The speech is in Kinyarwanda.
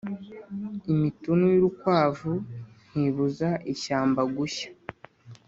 Imitunu y’urukwavu ntibuza ishyamba gushya.